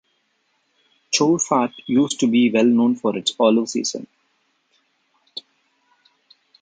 Choueifat used to be well known for its olive season.